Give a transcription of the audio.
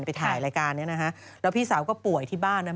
ไปถ่ายรายการเนี้ยนะฮะแล้วพี่สาวก็ป่วยที่บ้านนะ